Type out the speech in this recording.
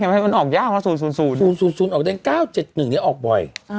ไม่ใช่ออกได้ไงใช่มั้ยมันออกยากว่า๐๐๐๐๐๐ออกได้๙๗๑เนี่ยออกบ่อย